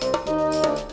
tunggu tunggu tunggu